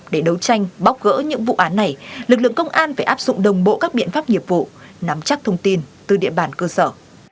để đấu tranh bóc gỡ những vụ án này lực lượng công an phải áp dụng đồng bộ các biện pháp nghiệp vụ nắm chắc thông tin từ địa bàn cơ sở